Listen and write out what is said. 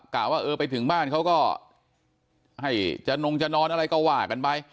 ว่าเออไปถึงบ้านเขาก็ให้จะนงจะนอนอะไรก็ว่ากันไป